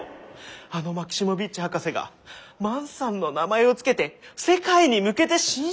あのマキシモヴィッチ博士が万さんの名前を付けて世界に向けて新種発表？